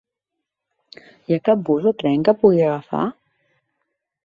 Hi ha cap bus o tren que pugui agafar?